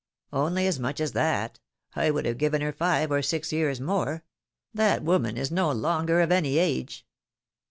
'' "Only as much as that? I would have given her five or six years more; that woman is no longer of any age."